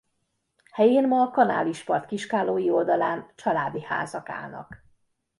Helyén ma a kanálispart kiskállói oldalán családi házak állnak.